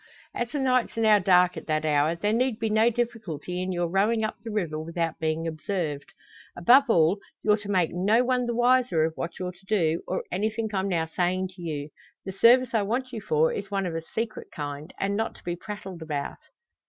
As the nights are now dark at that hour, there need be no difficulty in your rowing up the river without being observed. Above all, you're to make no one the wiser of what you're to do, or anything I'm now saying to you. The service I want you for is one of a secret kind, and not to be prattled about."